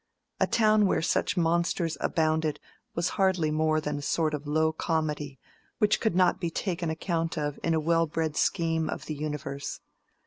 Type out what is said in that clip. A town where such monsters abounded was hardly more than a sort of low comedy, which could not be taken account of in a well bred scheme of the universe.